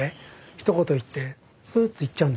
ひと言言ってすっと行っちゃうんですよ。